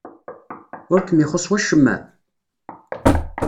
Ur kem-ixuṣṣ wacemma?